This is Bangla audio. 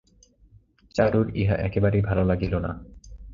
চারুর ইহা একেবারেই ভালো লাগিল না।